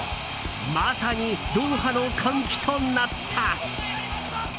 まさにドーハの歓喜となった。